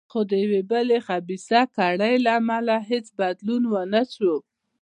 خو د یوې بلې خبیثه کړۍ له امله هېڅ بدلون ونه شو.